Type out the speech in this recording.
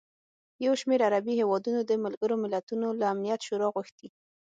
یوشمېر عربي هېوادونو د ملګروملتونو له امنیت شورا غوښتي